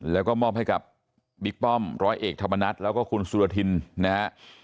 แล้วก็มอบให้กับบิ๊กป้อมร้อยเอกธรรมนัฏแล้วก็คุณสุรทินนะฮะ